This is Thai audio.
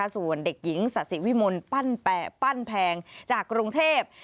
ส่วนเด็กหญิงศาสิวิมลปั้นแพงจากกรุงเทพ